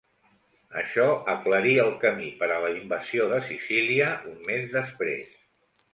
Això aclarí el camí per a la invasió de Sicília un mes després.